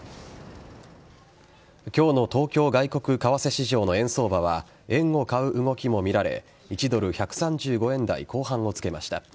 今日の東京外国為替市場の円相場は円を買う動きもみられ１ドル１３５円台後半をつけました。